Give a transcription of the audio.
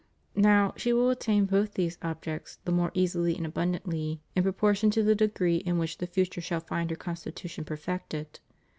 Now, she will attain both these objects the more easily and abundantly, in proportion to the degree in which the future shall find her constitution perfected.